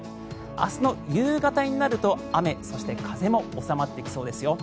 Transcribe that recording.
明日の夕方になると雨、そして風も収まってきそうですよ。